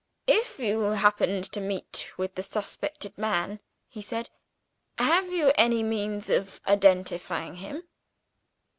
"If you happened to meet with the suspected man," he said, "have you any means of identifying him?"